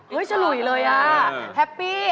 ฉลุยเลยอ่ะแฮปปี้